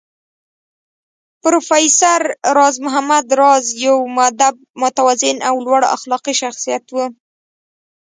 پروفېسر راز محمد راز يو مودب، متوازن او لوړ اخلاقي شخصيت و